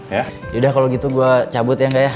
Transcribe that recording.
yaudah kalo gitu gue cabut ya gak ya